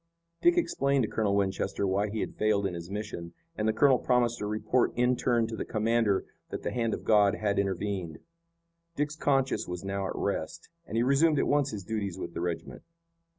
Dick explained to Colonel Winchester why he had failed in his mission, and the colonel promised to report in turn to the commander that the hand of God had intervened. Dick's conscience was now at rest, and he resumed at once his duties with the regiment.